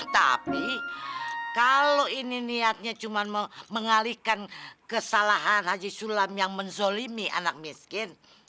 tapi kalau ini niatnya cuma mengalihkan kesalahan haji sulam yang menzolimi anak miskin